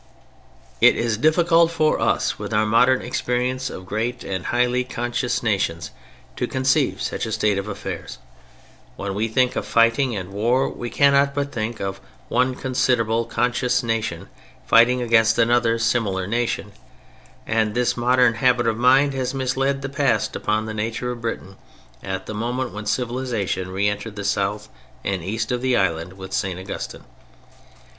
It is difficult for us with our modern experience of great and highly conscious nations to conceive such a state of affairs. When we think of fighting and war, we cannot but think of one considerable conscious nation fighting against another similar nation, and this modern habit of mind has misled the past upon the nature of Britain at the moment when civilization reëntered the South and East of the island with St. Augustine.